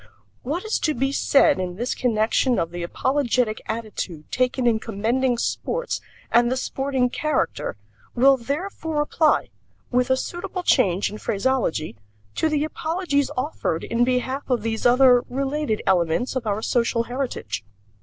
What is to be said in this connection of the apologetic attitude taken in commending sports and the sporting character will therefore apply, with a suitable change in phraseology, to the apologies offered in behalf of these other, related elements of our social heritage.